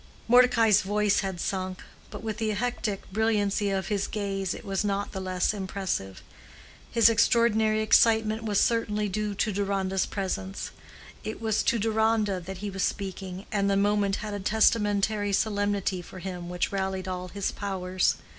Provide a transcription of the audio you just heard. Mordecai's voice had sunk, but with the hectic brilliancy of his gaze it was not the less impressive. His extraordinary excitement was certainly due to Deronda's presence: it was to Deronda that he was speaking, and the moment had a testamentary solemnity for him which rallied all his powers.